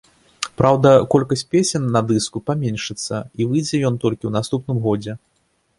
Праўда, колькасць песень на дыску паменшыцца і выйдзе ён толькі ў наступным годзе.